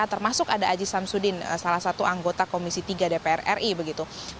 termasuk ada aji samsudin salah satu anggota komisi tiga dpr ri begitu